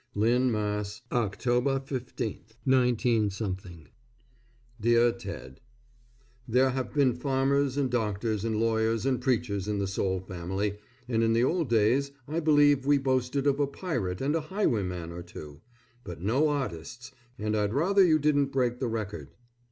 LYNN, MASS., _October 15, 19 _ DEAR TED: There have been farmers and doctors and lawyers and preachers in the Soule family, and, in the old days, I believe we boasted of a pirate and a highwayman or two, but no artists, and I'd rather you didn't break the record.